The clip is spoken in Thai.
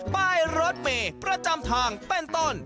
ป้ายรถเมย์ประจำทางเป็นต้น